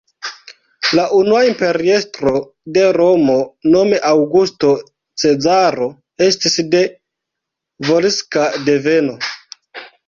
La unua imperiestro de Romo nome Aŭgusto Cezaro estis de volska deveno.